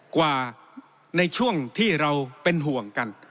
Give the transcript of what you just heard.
กว่าในช่วงที่เราเป็นห่วงกัน